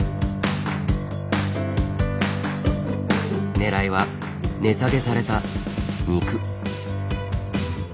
ねらいは値下げされた肉。